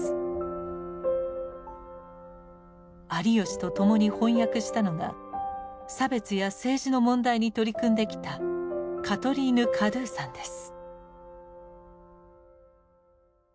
有吉とともに翻訳したのが差別や政治の問題に取り組んできたカトリーヌ・カドゥさんです。